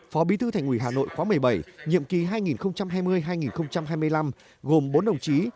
phó bí thư thành ủy hà nội khóa một mươi bảy nhiệm kỳ hai nghìn hai mươi hai nghìn hai mươi năm gồm bốn đồng chí